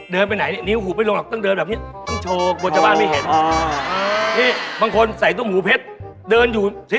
เดินไปไหนนี่อย่างนี้ไม่เสียมันต้องเดินอย่งนี้